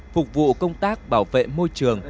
phục vụ công tác bảo vệ môi trường